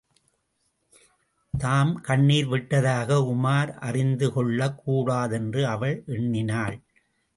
தான் கண்ணிர் விட்டதாக உமார் அறிந்து கொள்ளக் கூடாதென்று அவள் எண்ணினாள்.